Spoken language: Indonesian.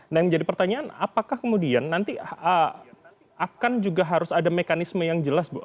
dan menjadi pertanyaan apakah kemudian nanti akan juga harus ada mekanisme yang jelas